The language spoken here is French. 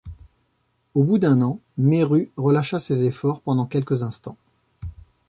Au bout d'un an, Meru relâcha ses efforts pendant quelques instants.